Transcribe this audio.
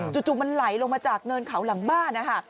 จู่มันไหลลงมาจากเนินเขาหลังบ้านนะคะ